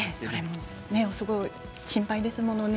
すごい心配ですものね。